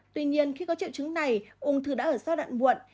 tuy nhiên khi có triệu chứng này ung thư đã ở giai đoạn muộn